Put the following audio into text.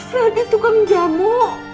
rati tukang jamu